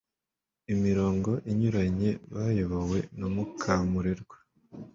imirongo inyuranye bayobowe na Mukamurerwa